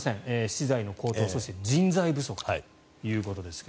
資材の高騰そして人材不足ということですが。